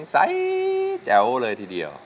สายแจ้วเลยทีเดียว